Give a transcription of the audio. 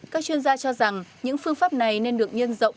các chuyên gia cho rằng những phương pháp này nên được nhân rộng